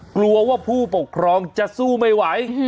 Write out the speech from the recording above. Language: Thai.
กลัวว่าผู้ปกครองจะสู้ไม่ไหว